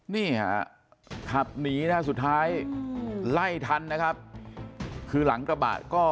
นี่ค่ะครับนี้นะสุดท้ายไล่ทันนะครับคือหลังตระบาดก็